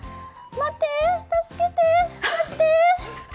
待って、助けて、待って。